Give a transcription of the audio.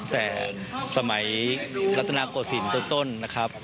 แต่สมัยรัฐนาโกศิลป์ต้นนะครับ